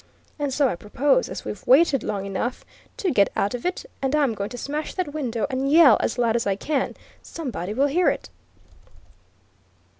And so I propose, as we've waited long enough, to get out of it, and I'm going to smash that window and yell as loud as I can somebody will hear it!"